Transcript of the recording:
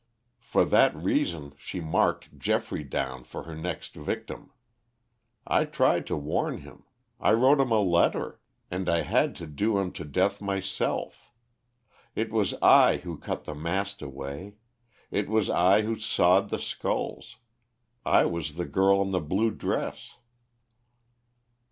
For that reason she marked Geoffrey down for her next victim. I tried to warn him; I wrote him a letter. And I had to do him to death myself. It was I who cut the mast away; it was I who sawed the sculls. I was the girl in the blue dress."